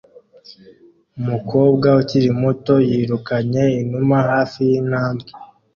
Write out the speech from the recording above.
Umukobwa ukiri muto yirukanye inuma hafi yintambwe